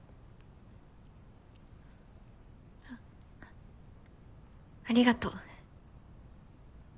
あっありがとう。